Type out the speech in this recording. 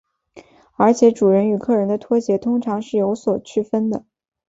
而且主人与客人的拖鞋通常是有所区分的。